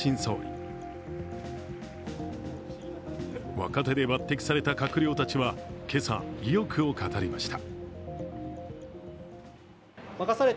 若手で抜てきされた閣僚たちは今朝、意欲を語りました。